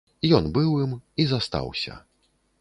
Ён быў ім і застаўся.